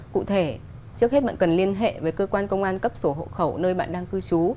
cụ thể trước hết bạn cần liên hệ với cơ quan công an cấp sổ hộ khẩu nơi bạn đang cư trú